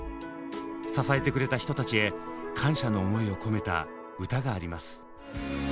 支えてくれた人たちへ感謝の思いを込めた歌があります。